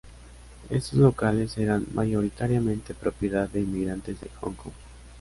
Estos locales eran mayoritariamente propiedad de inmigrantes de Hong Kong.